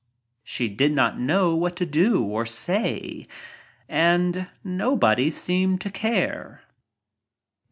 She did not know what to do or say and nobody seemed to care.